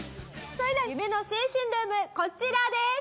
それでは夢の青春ルームこちらです！